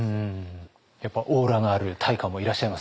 やっぱオーラのある大家もいらっしゃいますか？